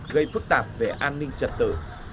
gây phức tạp về an ninh trật tử